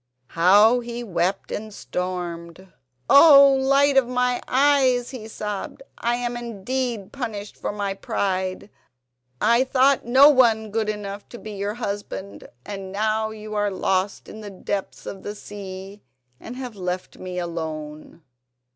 How he wept and stormed! "Oh, light of my eyes," he sobbed; "I am indeed punished for my pride. I thought no one good enough to be your husband, and now you are lost in the depths of the sea, and have left me alone!